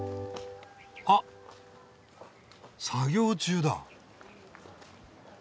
あっ作業中だ。